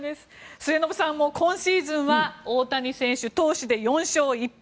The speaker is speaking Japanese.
末延さんも、今シーズンは大谷選手、投手で４勝１敗。